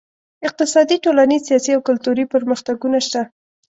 اقتصادي، ټولنیز، سیاسي او کلتوري پرمختګونه شته.